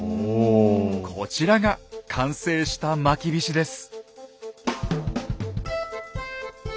こちらが完成したまきびしです。